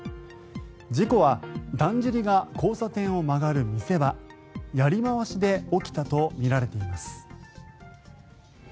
事故は、だんじりが交差点を曲がる見せ場やりまわしで起きたとみられています。